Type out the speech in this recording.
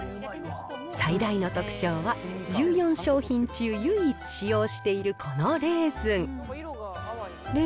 最大の特徴は、１４商品中唯一使用している、このレーズン。